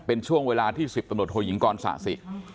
เป็นช่วงเวลาที่๑๐ตำรวจโทยิงกรศาสิ